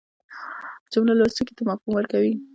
جمله لوستونکي ته مفهوم ورکوي.